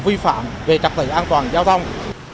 vi phạm về trạc tự an toàn giao thông